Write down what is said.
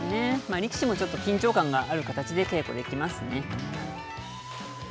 力士もちょっと緊張感がある形で稽古できますよね。